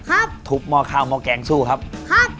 ครับทุบมอคาวมอแกงซู่ครับครับ